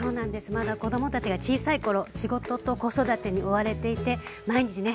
まだ子供たちが小さい頃仕事と子育てに追われていて毎日ね